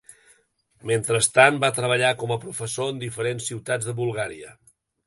Mentrestant, va treballar com a professor en diferents ciutats de Bulgària.